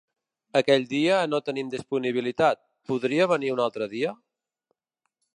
Aquell dia no tenim disponibilitat, podria venir un altre dia?